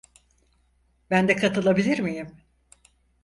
Ben de katılabilir miyim?